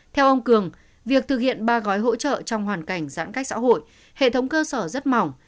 theo ông cường việc thực hiện ba gói hỗ trợ trong hoàn cảnh giãn cách xã hội hệ thống cơ sở rất mỏng